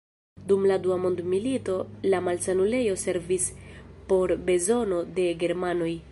Dum la dua mondmilito la malsanulejo servis por bezonoj de germanoj.